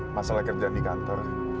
masalah kerjaan di kantor